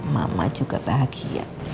mama juga bahagia